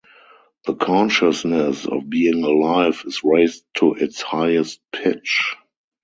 The consciousness of being alive is raised to its highest pitch.